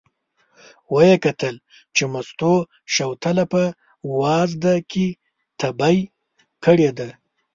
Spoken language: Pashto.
و یې کتل چې مستو شوتله په وازده کې تبی کړې ده.